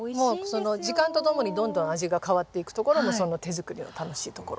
時間とともにどんどん味が変わっていくところも手作りの楽しいところ。